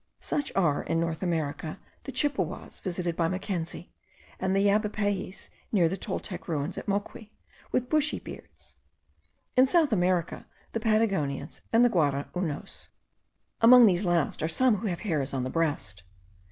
Such are, in North America, the Chippewas visited by Mackenzie, and the Yabipaees, near the Toltec ruins at Moqui, with bushy beards; in South America, the Patagonians and the Guaraunos. Among these last are some who have hairs on the breast.